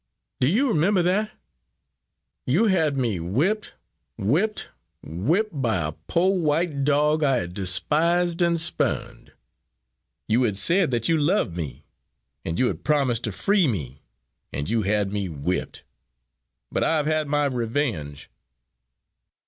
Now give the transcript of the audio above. "Do you remember that? You had me whipped whipped whipped by a poor white dog I had despised and spurned! You had said that you loved me, and you had promised to free me and you had me whipped! But I have had my revenge!"